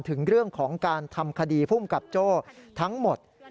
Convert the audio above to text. ถึงเรื่องของการทำคดีภูมิกับโจ้ทั้งหมด